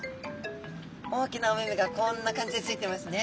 大きなお目々がこんな感じでついていますね。